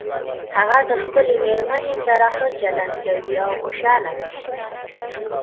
هغه د خپلې مېرمنې سره ښه چلند کوي او خوشحاله ده